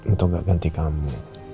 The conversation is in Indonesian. untuk gak ganti kamu